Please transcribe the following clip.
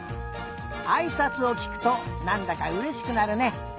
あいさつをきくとなんだかうれしくなるね。